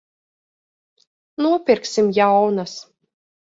Nopirksim jaunas.